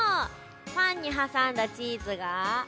パンにはさんだチーズが。